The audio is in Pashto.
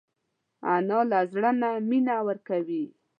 انا له زړه نه مینه ورکوي